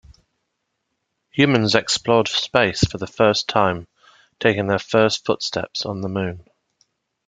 Humans explored space for the first time, taking their first footsteps on the Moon.